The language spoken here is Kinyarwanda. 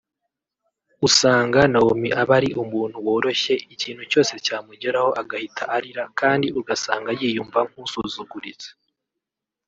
usanga Naomi aba ari umuntu woroshye ikintu cyose cyamugeraho agahita arira kandi ugasanga yiyumva nkusuzuguritse